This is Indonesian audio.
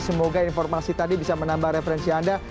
semoga informasi tadi bisa menambah referensi anda